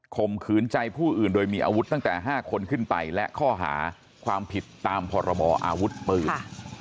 มขืนใจผู้อื่นโดยมีอาวุธตั้งแต่๕คนขึ้นไปและข้อหาความผิดตามพรบออาวุธปืน